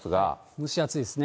蒸し暑いですね。